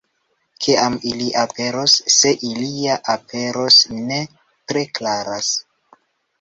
Kiam ili aperos, se ili ja aperos, ne tre klaras.